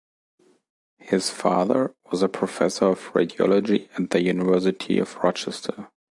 His father was a Professor of Radiology at the University of Rochester.